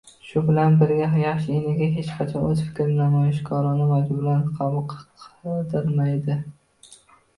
Shu bilan birga yaxshi enaga hech qachon o‘z fikrini namoyishkorona majburan qabul qildirmaydi